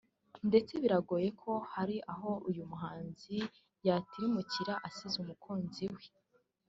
ndetse biragoye ko hari aho uyu muhanzi yatirimukira asize umukunzi we